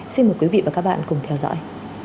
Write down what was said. xin mời quý vị và các bạn cùng theo dõi